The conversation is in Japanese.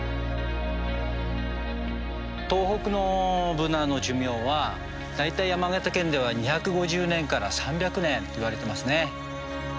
東北のブナの寿命は大体山形県では２５０年から３００年といわれていますね。